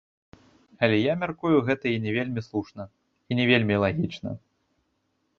Але я мяркую, гэта і не вельмі слушна, і не вельмі лагічна.